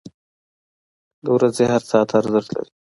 • د ورځې هر ساعت ارزښت لري.